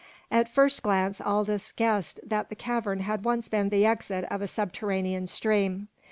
At first glance Aldous guessed that the cavern had once been the exit of a subterranean stream.